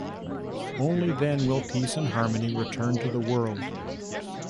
Only then will peace and harmony return to the world.